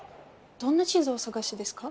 どんな地図をお探しですか？